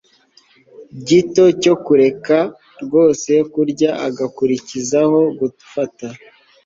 gito cyo kureka rwose kurya agakurikizaho gufata